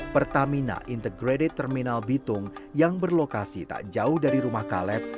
pertamina integrated terminal bitung yang berlokasi tak jauh dari rumah kaleb